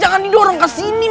jangan didorong ke sini